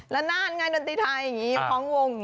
ละนาดไงดนตรีไทยอย่างงี้ของวง